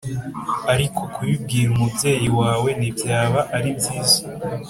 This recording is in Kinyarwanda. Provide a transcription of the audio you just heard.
Ariko kubibwira umubyeyi wawe ntibyaba ari byiza